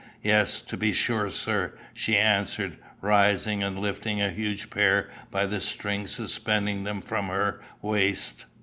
"Yes, to be sure, sir," she answered, rising, and lifting a huge pair by the string suspending them from her waist.